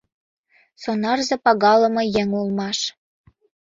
Сонарзе пагалыме еҥ улмаш.